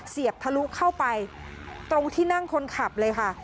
บททะลุเข้าไปตรงที่นั่งคนขับเลยค่ะ